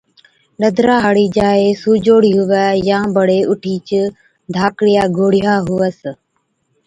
ڏَدرا هاڙِي جاءِ سُوجوڙِي هُوَي يان بڙي اُٺِيچ ڌاڪڙِيا گوڙهِيا هُوَس